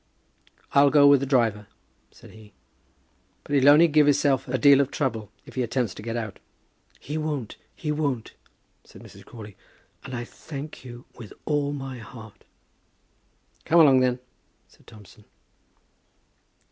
"I'll go with the driver," said he, "but he'll only give hisself a deal of trouble if he attempts to get out." "He won't; he won't," said Mrs. Crawley. "And I thank you with all my heart." "Come along, then," said Thompson.